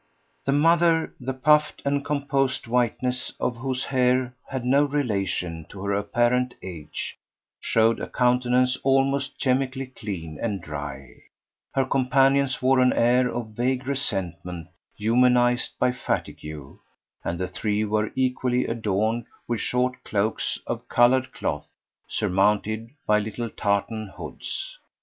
The mother, the puffed and composed whiteness of whose hair had no relation to her apparent age, showed a countenance almost chemically clean and dry; her companions wore an air of vague resentment humanised by fatigue; and the three were equally adorned with short cloaks of coloured cloth surmounted by little tartan hoods.